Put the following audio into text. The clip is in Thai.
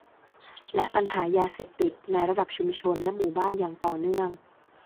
และปัญหายาเสพติดในระดับชุมชนและหมู่บ้านอย่างต่อเนื่อง